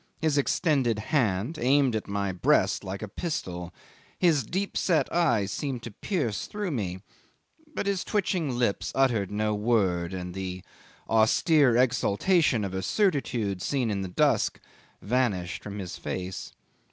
His extended hand aimed at my breast like a pistol; his deepset eyes seemed to pierce through me, but his twitching lips uttered no word, and the austere exaltation of a certitude seen in the dusk vanished from his face.